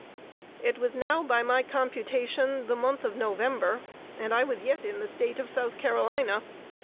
It was now, by my computation, the month of November, and I was yet in the State of South Carolina.